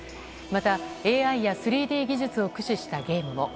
また、ＡＩや３Ｄ技術を駆使したゲームも。